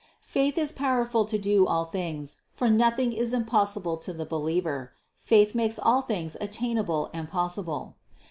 Faith is powerful to do all things, for noth ing is impossible to the believer; faith makes all things attainable and possible.